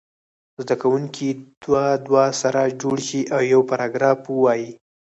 زده کوونکي دوه دوه سره جوړ شي او یو پاراګراف ووایي.